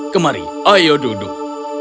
kemari ayo duduk